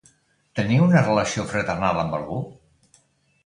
Tenia una relació fraternal amb algú?